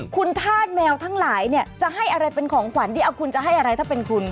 คุณธาตุแมวทั้งหลายเนี่ยจะให้อะไรเป็นของขวัญที่เอาคุณจะให้อะไรถ้าเป็นคุณ